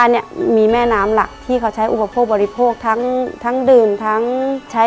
ในแคมเปญพิเศษเกมต่อชีวิตโรงเรียนของหนู